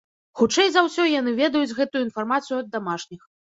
Хутчэй за ўсё, яны ведаюць гэтую інфармацыю ад дамашніх.